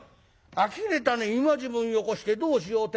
あきれたね今時分よこしてどうしようてんだ。